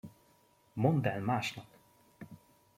Mondd el másnak!